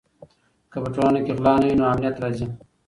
که په ټولنه کې غلا نه وي نو امنیت راځي.